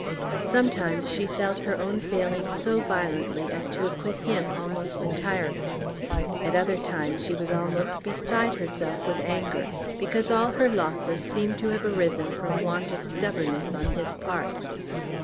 Sometimes she felt her own failing so violently as to acquit him almost entirely. At other times she was almost beside herself with anger because all her losses seemed to have arisen from want of stubbornness on his part.